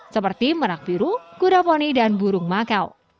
seperti merak biru kuda poni dan burung makau